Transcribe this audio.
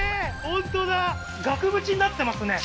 本当だ額縁になってますね